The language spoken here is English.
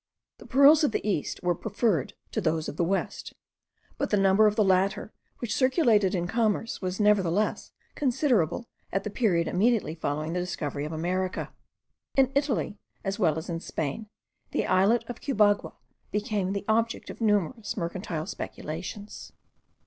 The pearls of the East were preferred to those of the West; but the number of the latter which circulated in commerce was nevertheless considerable at the period immediately following the discovery of America. In Italy as well as in Spain, the islet of Cubagua became the object of numerous mercantile speculations.